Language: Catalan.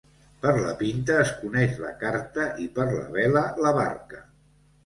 Per la pinta es coneix la carta i per la vela la barca.